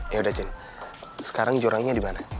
yaudah jin sekarang jurangnya dimana